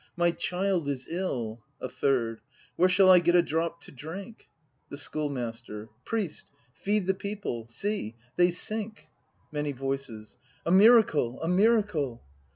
My child is ill! A Third. Where shall I get a drop to drink ? The Schoolmaster. Priest, feed the people; — see, they sink. Many Voices. A miracle! A miracle!